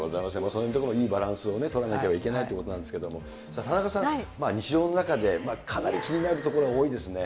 そういうところ、いいバランスを取らなきゃいけないということですけれども、田中さん、日常の中で、かなり気になるところが多いですね。